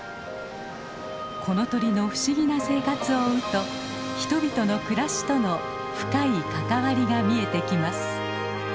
この鳥の不思議な生活を追うと人々の暮らしとの深い関わりが見えてきます。